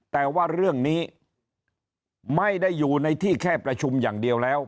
แต่ว่าเรื่องนี้ไม่ได้อยู่ในที่แค่ประชุมอย่างเดียวแล้ว